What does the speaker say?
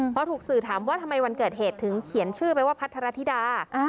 พอถูกสื่อถามว่าทำไมวันเกิดเหตุถึงเขียนชื่อไปว่าพัทรธิดา